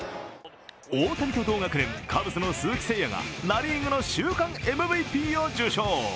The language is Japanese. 大谷と同学年、カブスの鈴木誠也がナ・リーグの週間ＭＶＰを受賞。